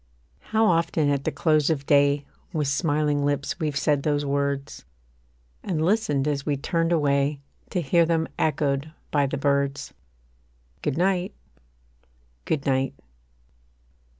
How often at the close of day With smiling lips we've said those words: And listened as we turned away To hear them echoed by the birds, Good night Good night.